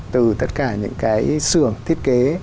từ tất cả những cái xưởng thiết kế